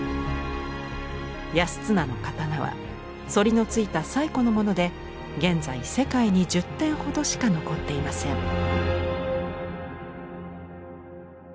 安綱の刀は反りのついた最古のもので現在世界に１０点ほどしか残っていません。